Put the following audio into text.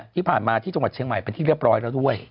ที่ผ่านมาที่จังหวัดเชียงใหม่เป็นที่เรียบร้อยแล้วด้วย